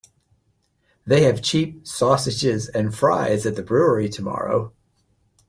They have cheap sausages and fries at the brewery tomorrow.